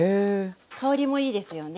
香りもいいですよね。